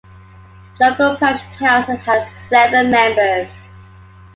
The local Parish Council has seven members.